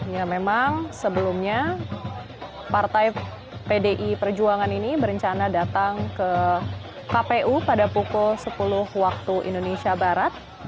ya memang sebelumnya partai pdi perjuangan ini berencana datang ke kpu pada pukul sepuluh waktu indonesia barat